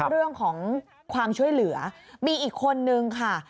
เรื่องของความช่วยเหลือมีอีกคนนึงค่ะ